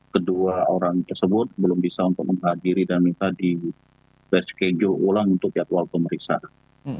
kedua orang tersebut belum bisa untuk menghadiri dan minta di reschedule ulang untuk jadwal pemeriksaan